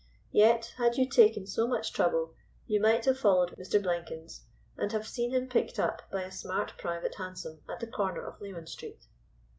Yet, had you taken so much trouble you might have followed Mr. Blenkins and have seen him picked up by a smart private hansom at the corner of Leman Street.